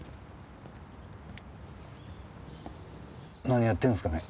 何やってるんすかね？